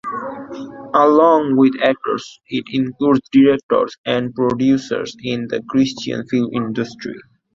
Along with actors it includes directors and producers in the Christian film industry.